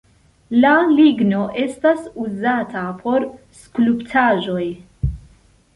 La ligno estas uzata por skulptaĵoj.